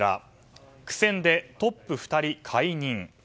苦戦でトップ２人解任。